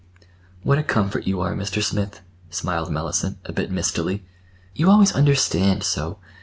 "What a comfort you are, Mr. Smith," smiled Mellicent, a bit mistily. "You always understand so!